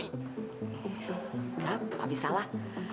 tidak mami salah